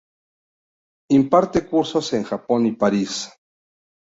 Imparte cursos en Japón y París.